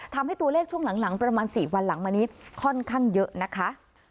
ทำให้ตัวเลขช่วงหลังประมาณ๔วันหลังมานี้ค่อนข้างเยอะนะคะ